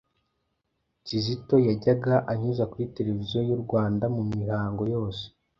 Kizito yajyaga anyuza kuri televiziyo y'u Rwanda mumihanga yose